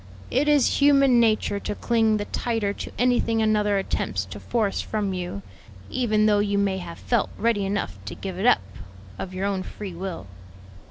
"It is human nature to cling the tighter to anything another attempts to force from you; even though you may have felt ready enough to give it up of your own free will."